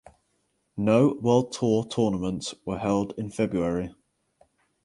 No World Tour tournaments were held in February.